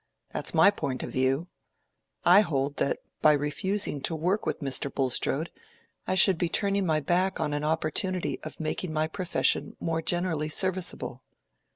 That's my point of view. I hold that by refusing to work with Mr. Bulstrode I should be turning my back on an opportunity of making my profession more generally serviceable."